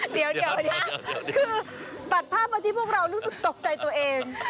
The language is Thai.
เดี๋ยวคือตัดภาพมาที่พวกเรารู้สึกตกใจตัวเอง